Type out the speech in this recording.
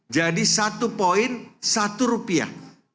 jadi satu point satu rupiah